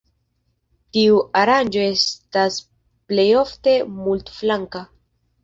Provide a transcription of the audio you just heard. Tiu aranĝo estas plejofte multflanka.